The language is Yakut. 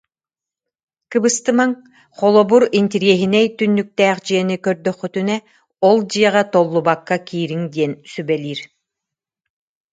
Кыбыстымаҥ, холобур, интэриэһинэй түннүктээх дьиэни көрдөххүтүнэ ол дьиэҕэ толлубакка киириҥ диэн сүбэлиир